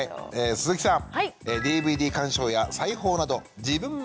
鈴木さん。